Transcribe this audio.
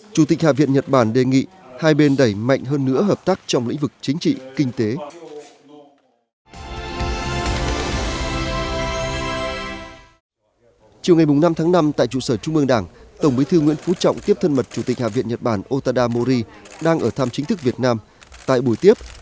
chủ tịch hạ viện nhật bản đề nghị hai bên đẩy mạnh hơn nữa hợp tác trong lĩnh vực chính trị kinh tế